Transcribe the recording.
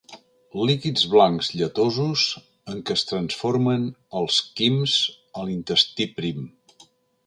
Líquids blancs lletosos en què es transformen els quims a l'intestí prim.